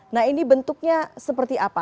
nah ini bentuknya seperti apa